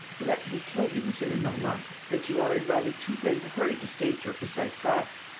"Let me tell you, M. Lenormand, that you are in rather too great a hurry to state your precise facts.